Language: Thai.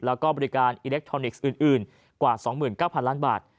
แล้วก็บริการอิเล็กทรอนิกส์อื่นกว่า๒๙๐๐ล้านบาท